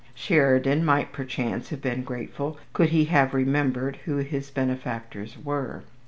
Sheridan might perchance have been grateful, could he have remembered who his benefactors were.